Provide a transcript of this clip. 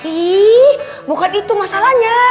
ih bukan itu masalahnya